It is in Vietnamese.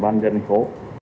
ban dân thành phố